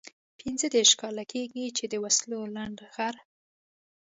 پنځه دېرش کاله کېږي چې د وسلو لنډه غر.